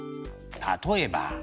例えば。